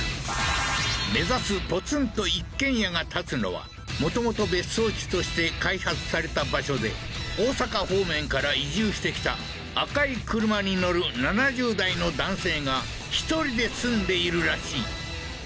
目指すポツンと一軒家が建つのはもともと別荘地として開発された場所で大阪方面から移住してきた赤い車に乗る７０代の男性が１人で住んでいるらしい